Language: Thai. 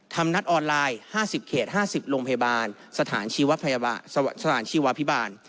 นัดออนไลน์๕๐เขต๕๐โรงพยาบาลสถานชีวพิบาล